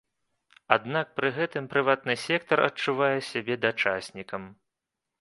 Аднак пры гэтым прыватны сектар адчувае сябе дачаснікам.